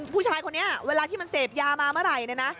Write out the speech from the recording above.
ผู้ชายคนนี้เวลาที่มันเสพยามาเมื่อไหร่เนี่ยนะ